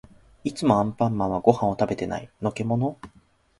いつもアンパンマンはご飯を食べてない。のけもの？